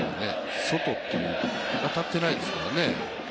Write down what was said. ソト、当たってないですからね。